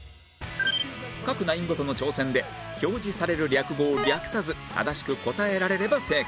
各ナインごとの挑戦で表示される略語を略さず正しく答えられれば正解